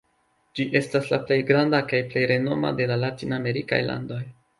Ĝi estas la plej granda kaj plej renoma de la latin-amerikaj landoj.